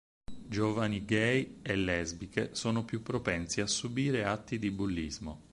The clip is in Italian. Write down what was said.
Giovani gay e lesbiche sono più propensi a subire atti di bullismo.